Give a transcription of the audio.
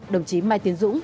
đồng chí mai tiến dũng